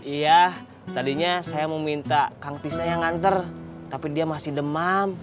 iya tadinya saya mau minta kang tisna yang nganter tapi dia masih demam